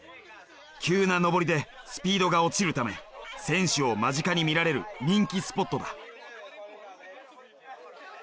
急な上りでスピードが落ちるため選手を間近に見られる人気スポットだ。